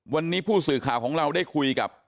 วันนี้ผู้สื่อข่าวของเราได้คุยกับ